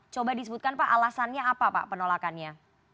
coba disebutkan pak alasannya apa pak penolakannya